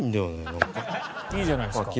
いいじゃないですか。